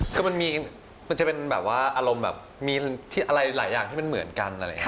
คือมันจะเป็นแบบว่าอารมณ์แบบมีอะไรหลายอย่างที่มันเหมือนกันอะไรอย่างนี้